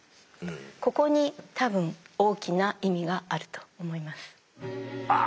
ここに多分大きな意味があると思います。